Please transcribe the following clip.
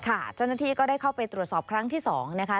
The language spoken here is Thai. เจ้าหน้าที่ก็ได้เข้าไปตรวจสอบครั้งที่๒นะคะ